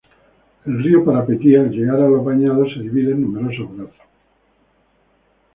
El río Parapetí al llegar a los Bañados se divide en numerosos brazos.